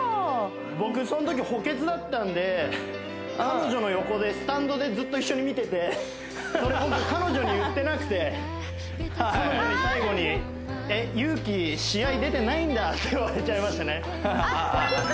僕そのとき補欠だったんで彼女の横でスタンドでずっと一緒に見ててそれ僕彼女に言ってなくて彼女に最後にって言われちゃいましたねあっ